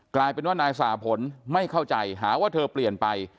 กลายเป็นว่านายสหพลไม่เข้าใจหาว่าเธอเปลี่ยนไป